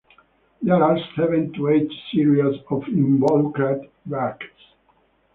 There are seven to eight series of involucral bracts.